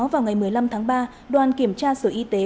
vào ngày một mươi năm tháng ba đoàn kiểm tra sở y tế